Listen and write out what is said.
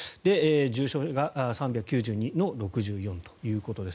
重症が３９２の６４ということです。